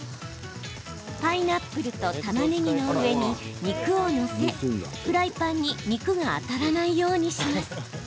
パイナップルとたまねぎの上に肉を載せ、フライパンに肉が当たらないようにします。